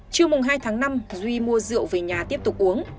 trưa mùng hai tháng năm duy mua rượu về nhà tiếp tục uống